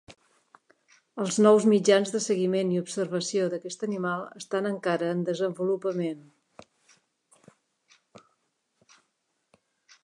Els nous mitjans de seguiment i observació d'aquest animal estan encara en desenvolupament.